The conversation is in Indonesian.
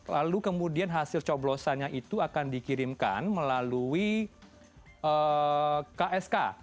lalu kemudian hasil coblosannya itu akan dikirimkan melalui ksk